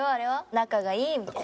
「仲がいい」みたいな。